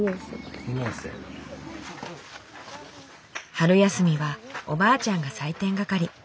春休みはおばあちゃんが採点係。